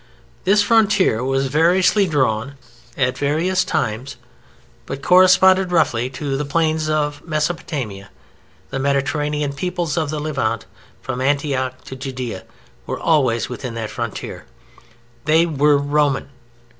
This frontier was variously drawn at various times, but corresponded roughly to the Plains of Mesopotamia. The Mediterranean peoples of the Levant, from Antioch to Judea, were always within that frontier. They were Roman.